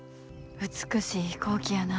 美しい飛行機やな。